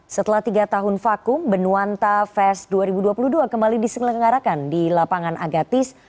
setelah tiga tahun vakum benuanta fest dua ribu dua puluh dua kembali diselenggarakan di lapangan agatis